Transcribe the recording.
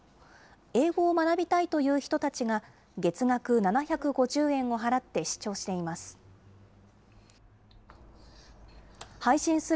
英語を学びたいという人たちが、月額７５０円を払って視聴しています。